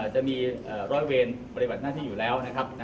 จะมีรอยเวณบริบัตนาชีพอยู่แล้ว